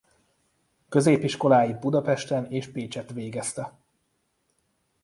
Középiskoláit Budapesten és Pécsett végezte.